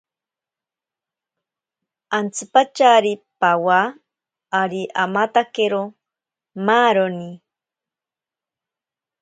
Antsipatyari pawa ari amatakero maaroni.